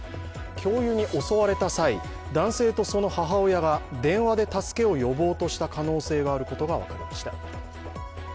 教諭に教われた際、男性とその母親が電話で助けを予防とした可能性があることが分かりました。